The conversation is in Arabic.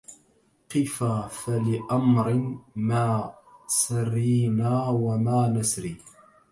قفا فلأمر ما سرينا وما نسري